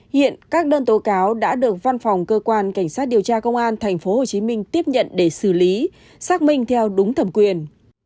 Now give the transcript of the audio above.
hiện các đơn tố cáo đã được văn phòng cơ quan cảnh sát điều tra công an tp hcm tiếp nhận để xử lý xác minh theo đúng thẩm quyền